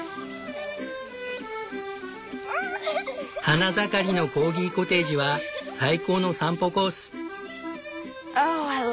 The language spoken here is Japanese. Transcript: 花盛りのコーギコテージは最高の散歩コース。